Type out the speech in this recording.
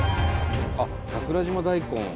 あっ「桜島大根」。